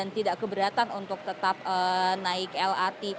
tidak keberatan untuk tetap naik lrt